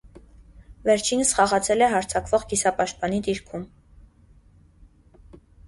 Վերջինս խաղացել է հարձակվող կիսապաշտպանի դիրքում։